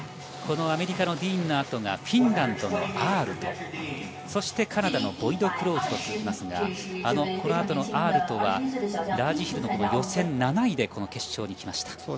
このアメリカのディーンの後がフィンランドのアールトそしてカナダのボイドクロウズと続きますがこの後のアールトはラージヒルの予選７位で決勝にきました。